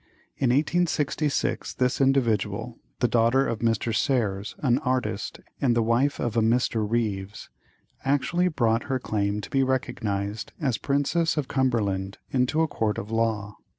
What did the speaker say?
In 1866 this individual, the daughter of Mr. Serres, an artist, and the wife of a Mr. Ryves, actually brought her claim to be recognized as Princess of Cumberland into a court of law.